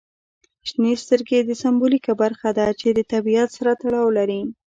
شنې سترګې د سمبولیکه برخه ده چې د طبیعت سره تړاو لري.